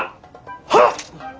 はっ！